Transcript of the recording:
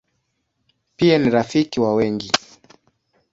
Pia ni rafiki wa wengi.